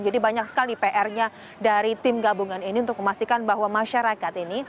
jadi banyak sekali pr nya dari tim gabungan ini untuk memastikan bahwa masyarakat ini